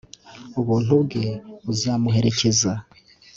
ubuntu bwe buzamuherekeza